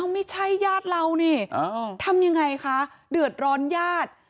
ไม่ใช่ญาติเรานี่ทำยังไงคะเดือดร้อนญาติ